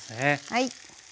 はい。